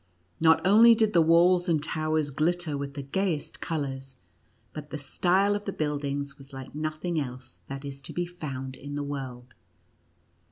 Not only did the walls and towers glitter with the gayest colors, but the style NUTCRACKER AND MOUSE KING. 119 of tlie buildings was like nothing else that is to be found in the world.